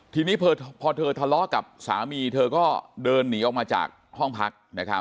ทีนี้พอเธอทะเลาะกับสามีเธอก็เดินหนีออกมาจากห้องพัก